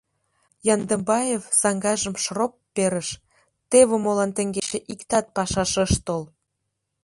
Яндыбаев саҥгажым шроп перыш: теве молан теҥгече иктат пашаш ыш тол!